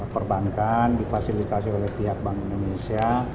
perbankan difasilitasi oleh pihak bank indonesia